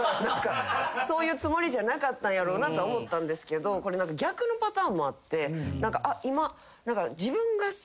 そういうつもりじゃなかったんやろうなとは思ったんですけどこれ逆のパターンもあってあっ今。